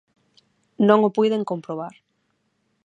non o puiden comprobar.